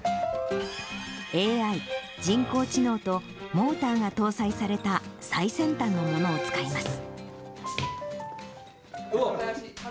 ＡＩ・人工知能とモーターが搭載された、最先端のものを使います。